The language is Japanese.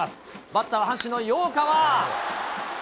バッターは阪神の陽川。